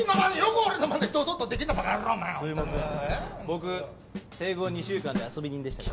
僕生後２週間で遊び人でした。